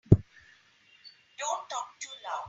Don't talk too loud.